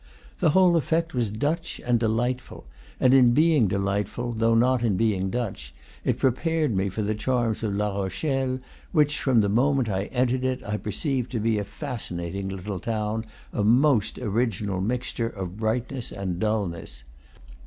The whole effect was Dutch and delightful; and in being delightful, though not in being Dutch, it prepared me for the charms of La Rochelle, which from the moment I entered it I perceived to be a fascinating little town, a most original mixture of brightness and dulness.